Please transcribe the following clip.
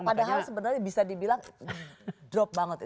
padahal sebenarnya bisa dibilang drop banget ya